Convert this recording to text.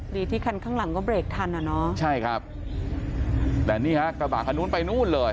ดีที่คันข้างหลังก็เบรกทันอ่ะเนอะใช่ครับแต่นี่ฮะกระบะคันนู้นไปนู่นเลย